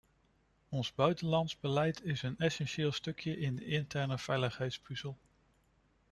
Ons buitenlands beleid is een essentieel stukje in de interne veiligheidspuzzel.